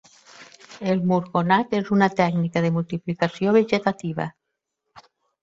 El murgonat és una tècnica de multiplicació vegetativa.